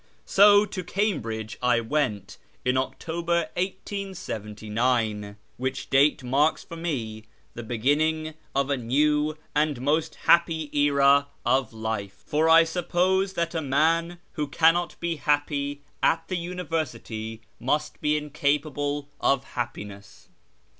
So to Cambridge I went in October 1879, which date marks for me the beginning of a new and most happy era of life; for I suppose that a man who cannot be happy at the INTRO D UCTOR V 1 1 University must be incapable of happiness.